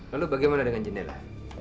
lalu bagaimana dengan jendela